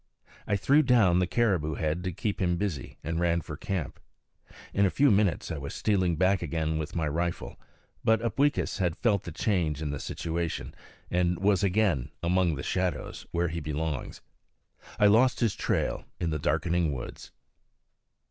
I threw down the caribou head to keep him busy, and ran for camp. In a few minutes I was stealing back again with my rifle; but Upweekis had felt the change in the situation and was again among the shadows, where he belongs. I lost his trail in the darkening woods.